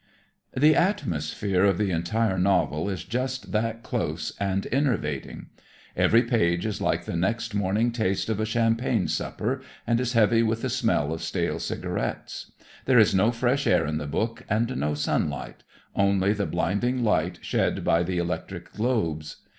The atmosphere of the entire novel is just that close and enervating. Every page is like the next morning taste of a champagne supper, and is heavy with the smell of stale cigarettes. There is no fresh air in the book and no sunlight, only the "blinding light shed by the electric globes."